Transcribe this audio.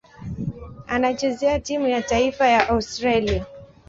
Anachezea timu ya taifa ya Australia.